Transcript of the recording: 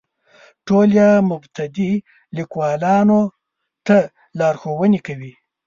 ټول یې مبتدي لیکوالو ته لارښوونې کوي.